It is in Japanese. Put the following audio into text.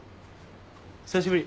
久しぶり。